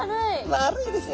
丸いですよ。